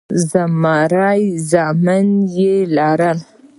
زلمي زامن يې لرل.